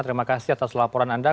terima kasih atas laporan anda